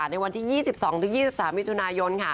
ในวันที่๒๒๒๓มิถุนายน